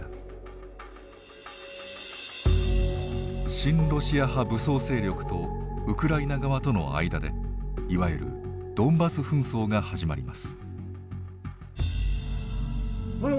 親ロシア派武装勢力とウクライナ側との間でいわゆるドンバス紛争が始まります。